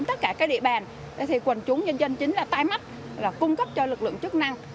tất cả các địa bàn quần chúng nhân dân chính là tay mắt cung cấp cho lực lượng chức năng